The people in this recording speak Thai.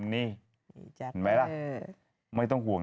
น่ารัก